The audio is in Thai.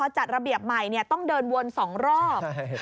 จัดระเบียบใหม่ต้องเดินวน๒รอบ